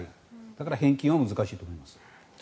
だから返金は難しいと思います。